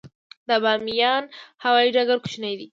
د بامیان هوايي ډګر کوچنی دی